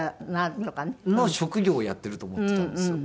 の職業をやってると思ってたんですよ。